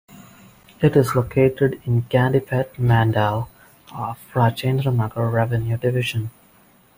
It is located in Gandipet mandal of Rajendranagar revenue division.